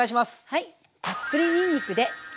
はい。